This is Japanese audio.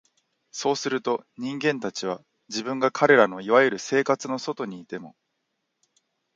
そうすると、人間たちは、自分が彼等の所謂「生活」の外にいても、